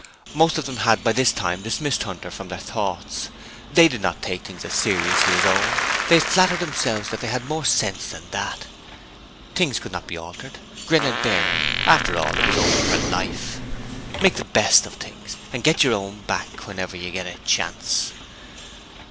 Most of them had by this time dismissed Hunter from their thoughts. They did not take things so seriously as Owen. They flattered themselves that they had more sense than that. It could not be altered. Grin and bear it. After all, it was only for life! Make the best of things, and get your own back whenever you get a chance.